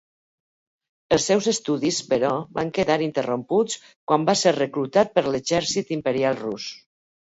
Els seus estudis, però, van quedar interromputs quan va ser reclutat per l'Exèrcit Imperial Rus.